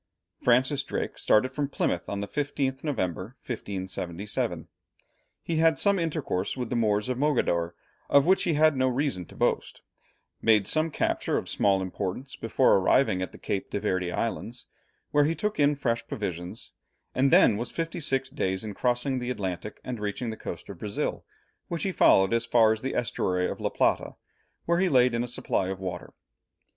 Francis Drake started from Plymouth on the 15th November, 1577. He had some intercourse with the Moors of Mogador, of which he had no reason to boast, made some captures of small importance before arriving at the Cape de Verd Islands, where he took in fresh provisions, and then was fifty six days in crossing the Atlantic and reaching the coast of Brazil, which he followed as far as the estuary of La Plata, where he laid in a supply of water.